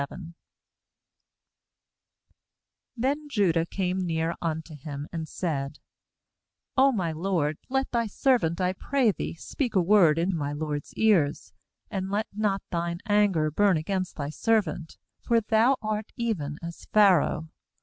•own 18Then Judah came near unto him, and said :' Oh my lord, let thy servant, I pray thee, speak a word in my lord's ears, and let not thine anger burn against thy servant; for thou art even as Pharaoh.